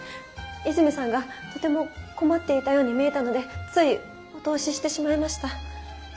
泉さんがとても困っていたように見えたのでついお通ししてしまいました。